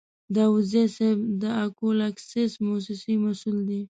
داودزی صیب د اکول اکسیس موسسې مسوول دی.